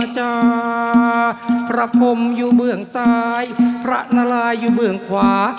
จะประพรมอยู่เบื้องซ้ายพระนารายอยู่เบื้องขวา